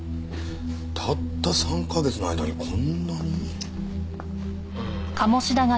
たった３カ月の間にこんなに？